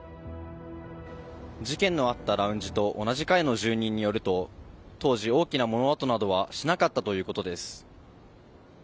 事件のあったラウンジと同じ階の住人によると当時、大きな物音などはしなかったということです。